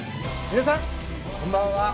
皆さん、こんばんは。